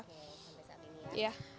oke sampai saat ini ya